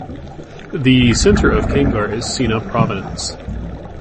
The centre of Kangar is Sena Province.